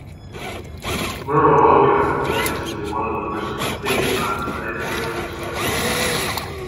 Muraoka made this into the most complete and up-to-date reference grammar.